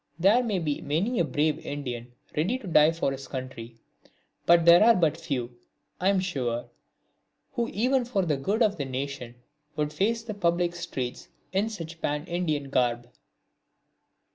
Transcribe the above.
There may be many a brave Indian ready to die for his country, but there are but few, I am sure, who even for the good of the nation would face the public streets in such pan Indian garb.